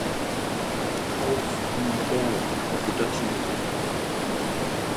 Kolff and Modera of the Dutch Navy.